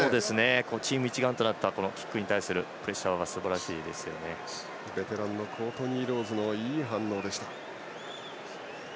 チーム一丸となったキックに対するプレッシャーがベテランコートニー・ローズのいい反応でした。